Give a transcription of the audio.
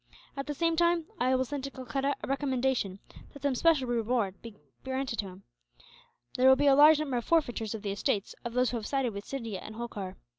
At the same time, I will send to Calcutta a recommendation that some special reward should be granted to him. There will be a large number of forfeitures of the estates of those who have sided with Scindia and Holkar.